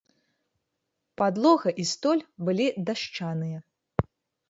Падлога і столь былі дашчаныя.